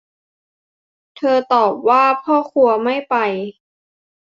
เธอตอบว่าพ่อครัวไม่ไป